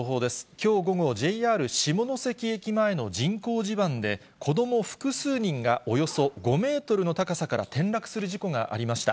きょう午後、ＪＲ下関駅前の人工地盤で子ども複数人がおよそ５メートルの高さから転落する事故がありました。